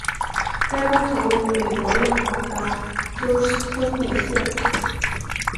该工厂位于美国内华达州斯托里县。